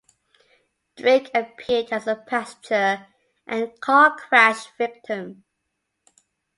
Drake appeared as a passenger and car-crash victim.